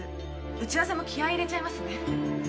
打ち合わせも気合入れちゃいますね。